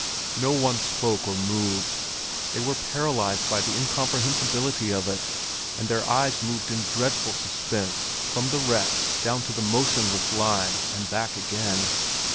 No one spoke or moved. They were paralyzed by the incomprehensibility of it, and their eyes moved in dreadful suspense from the wreck down to the motionless line and back again.